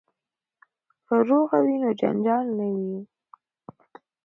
که روغه وي نو جنجال نه وي.